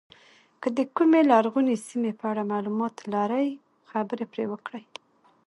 که د کومې لرغونې سیمې په اړه معلومات لرئ خبرې پرې وکړئ.